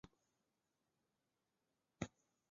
原姓为薮田改成薮田。